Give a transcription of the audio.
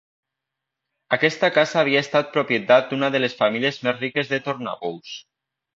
Aquesta casa havia estat propietat d'una de les famílies més riques de Tornabous.